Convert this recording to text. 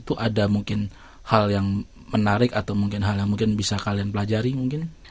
jadi anggota tps itu ada mungkin hal yang menarik atau mungkin hal yang bisa kalian pelajari mungkin